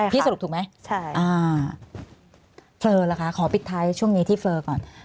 สรุปถูกไหมใช่อ่าเฟอร์ล่ะคะขอปิดท้ายช่วงนี้ที่เฟอร์ก่อน